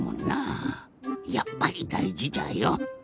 やっぱりだいじじゃよ。